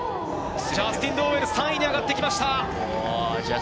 ジャスティン・ドーウェル、３位に上がってきました。